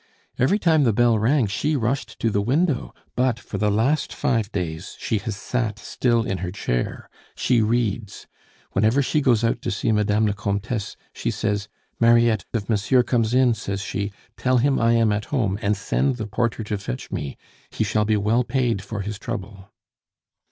Every time the bell rang she rushed to the window but for the last five days she has sat still in her chair. She reads. Whenever she goes out to see Madame la Comtesse, she says, 'Mariette, if monsieur comes in,' says she, 'tell him I am at home, and send the porter to fetch me; he shall be well paid for his trouble.